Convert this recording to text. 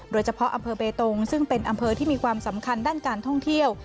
โดยเฉพาะอำเภอเบตงซึ่งเป็นอำเภอที่มีความสำคัญด้านการท่องเที่ยว